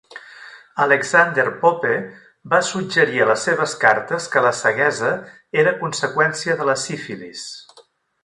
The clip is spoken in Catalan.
Alexander Pope va suggerir a les seves cartes que la ceguesa era conseqüència de la sífilis.